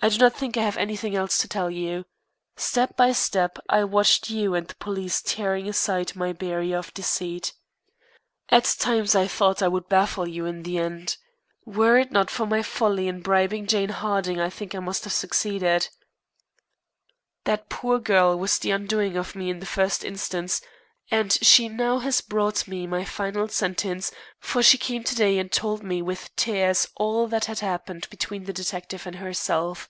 I do not think I have anything else to tell you. Step by step I watched you and the police tearing aside my barrier of deceit. At times I thought I would baffle you in the end. Were it not for my folly in bribing Jane Harding I think I must have succeeded. That poor girl was the undoing of me in the first instance, and she now has brought me my final sentence, for she came to day and told me, with tears, all that happened between the detective and herself.